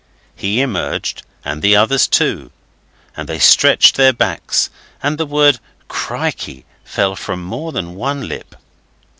He emerged, and the others too, and they stretched their backs and the word 'krikey' fell from more than one lip.